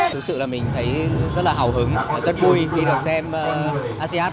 thực sự là mình thấy rất là hào hứng rất vui khi được xem asean bản quyền xem truyền hình